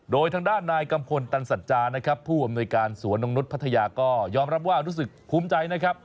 โดยทางด้านนายกัมพลตันสัจจานะครับผู้อำนวยการสวนนกนุษย์พัทยาก็ยอมรับว่ารู้สึกภูมิใจนะครับ